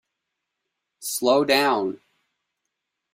Slow down!